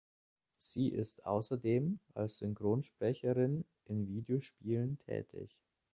Sie ist außerdem als Synchronsprecherin in Videospielen tätig.